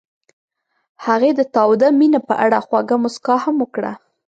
هغې د تاوده مینه په اړه خوږه موسکا هم وکړه.